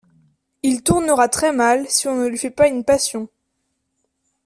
Il tournera très mal, si on ne lui fait une passion.